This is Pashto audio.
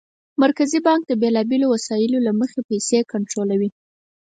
مرکزي بانک د بېلابېلو وسایلو له مخې پیسې کنټرولوي.